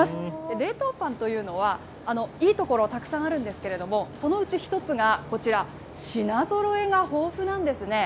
冷凍パンというのは、いいところ、たくさんあるんですけれども、そのうち１つがこちら、品ぞろえが豊富なんですね。